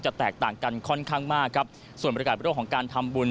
แตกต่างกันค่อนข้างมากครับส่วนบริการเรื่องของการทำบุญ